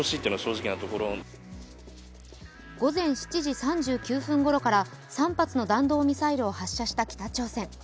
午前７時３９分ごろから３発の弾道ミサイルを発射した北朝鮮。